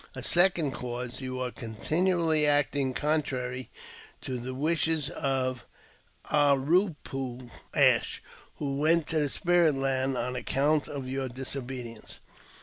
A second cause : you are continually acting contrary to the wishes of A ra poo ash, who went to the Spirit Land on account of your I disobedience.